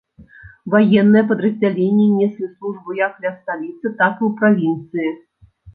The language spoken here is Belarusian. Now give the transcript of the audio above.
Ваенныя падраздзяленні неслі службу як ля сталіцы, так і ў правінцыі.